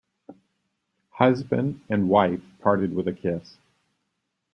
Husband and wife parted with a kiss.